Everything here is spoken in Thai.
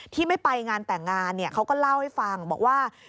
ที่ไม่ไปงานแต่งงานเขาก็เล่าให้ฟังบอกว่า